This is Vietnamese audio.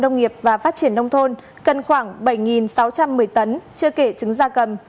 nông nghiệp và phát triển nông thôn cần khoảng bảy sáu trăm một mươi tấn chưa kể trứng da cầm